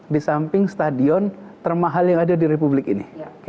di samping stadion termahal yang ada di republik ini